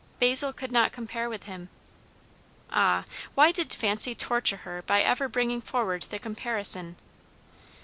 Basil could not compare with him. Ah, why did fancy torture her by ever bringing forward the comparison!